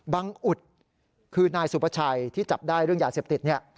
บังอุดคือนายสุพชัยที่จับได้เรื่องยาเสียบติด